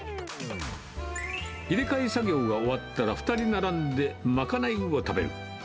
入れ替え作業が終わったら、２人並んで賄いを食べる。